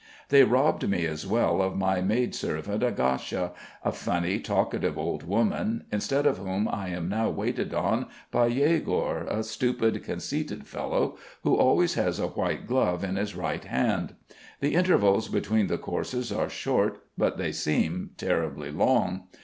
_ They robbed me as well of my maid servant Agasha, a funny, talkative old woman, instead of whom I am now waited on by Yegor, a stupid, conceited fellow who always has a white glove in his right hand. The intervals between the courses are short, but they seem terribly long.